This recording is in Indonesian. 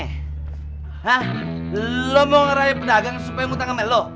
hah lo mau ngerayain pedagang supaya mau tangan sama lo